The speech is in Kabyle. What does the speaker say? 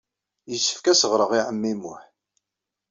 Yessefk ad as-ɣreɣ i ɛemmi Muḥ.